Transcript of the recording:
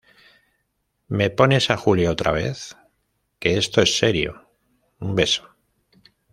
¿ me pones a Julia otra vez? que esto es serio. un beso.